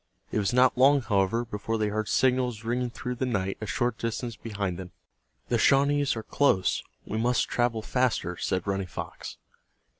It was not long, however, before they heard signals ringing through the night a short distance behind them. "The Shawnees are close, we must travel faster," said Running Fox.